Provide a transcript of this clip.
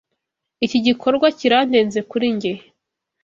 Iki gikorwa kirandenze kuri njye.